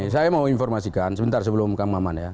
saya mau informasikan sebentar sebelum mengamandemen ya